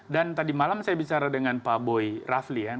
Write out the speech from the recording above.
dan tadi malam saya bicara dengan pak boy rafli ya